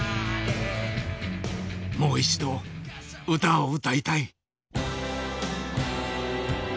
もう一度歌を歌いたい。